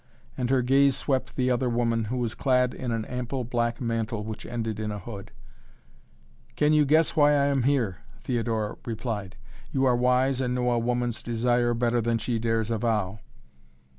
And her gaze swept the other woman, who was clad in an ample black mantle which ended in a hood. "Can you guess why I am here?" Theodora replied. "You are wise and know a woman's desire better than she dares avow."